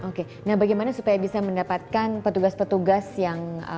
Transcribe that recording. oke nah bagaimana supaya bisa mendapatkan petugas petugas yang